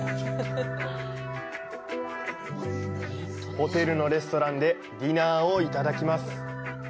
ホテルのレストランでディナーをいただきます。